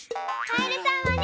カエルさんはね